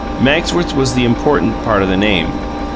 Magsworth was the important part of the name.